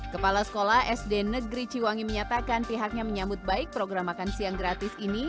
kepala sekolah sd negeri ciwangi menyatakan pihaknya menyambut baik program makan siang gratis ini